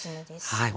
はい。